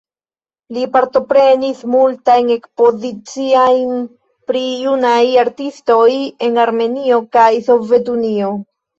Li partoprenis multajn ekspoziciojn pri junaj artistoj en Armenio kaj Sovetunio.